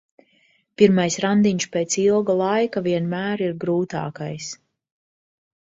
Pirmais randiņš pēc ilga laika vienmēr ir grūtākais.